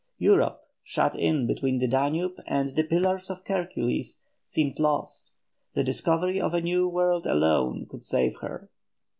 Europe, shut in between the Danube and the Pillars of Hercules, seemed lost; the discovery of a new world alone could save her.